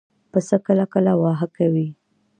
پسه کله کله واهه کوي.